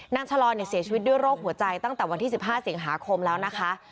นางชะลอเนี่ยเสียชีวิตด้วยโรคหัวใจตั้งแต่วันที่สิบห้าเสียงหาคมแล้วนะคะ